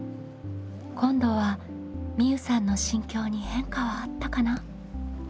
今度はみうさんの心境に変化はあったかな？